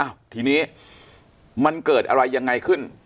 ทีนี้มันเกิดอะไรยังไงขึ้น